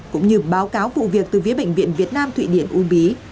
cũng như báo cáo vụ việc từ phía bệnh viện việt nam thụy điển uông bí